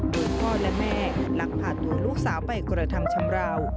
โดยพ่อและแม่ลักพาตัวลูกสาวไปกระทำชำราว